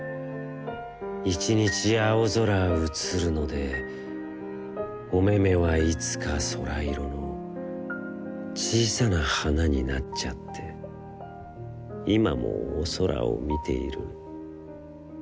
一日青ぞらうつるので、おめめはいつか、空いろの、小さな花になっちゃって、いまもお空をみているの。